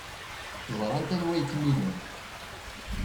Ẓrant anwa ay kem-ilan.